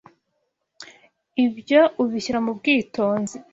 Ibyo ubishyira mu bwitonzi.